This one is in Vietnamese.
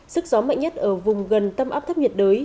sức gió mạnh nhất ở vùng gần tâm áp thấp nhiệt đới